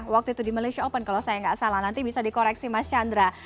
waktu itu di malaysia open kalau saya nggak salah nanti bisa dikoreksi mas chandra